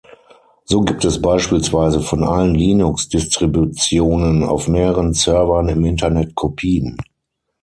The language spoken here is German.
So gibt es beispielsweise von allen Linux-Distributionen auf mehreren Servern im Internet Kopien.